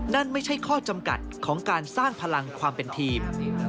นั่นไม่ใช่ข้อจำกัดของการสร้างพลังความเป็นทีม